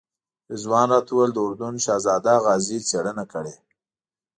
رضوان راته وویل د اردن شهزاده غازي څېړنه کړې.